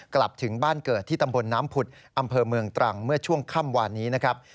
กลับถึงบ้านเกิดที่ตำบลน้ำผุดอำเภอเมืองตรังเมื่อช่วงค่ำวานนี้นะครับ